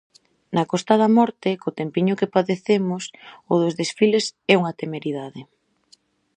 Na Costa da Morte, co tempiño que padecemos, o dos desfiles é unha temeridade!